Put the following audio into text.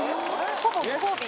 ほぼご褒美。